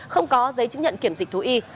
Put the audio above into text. không có giấy chứng nhận kiểm dịch thú y